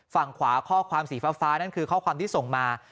ฝั่งขวาข้อความสีฟ้านั่นคือข้อความที่ส่งมา